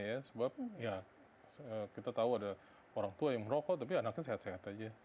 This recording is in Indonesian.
ya sebab ya kita tahu ada orang tua yang merokok tapi anaknya sehat sehat aja